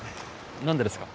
何でですか？